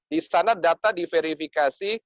karena data diverifikasi